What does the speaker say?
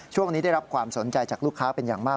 ได้รับความสนใจจากลูกค้าเป็นอย่างมาก